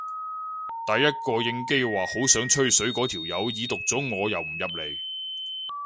第一個應機話好想吹水嗰條友已讀咗我又唔入嚟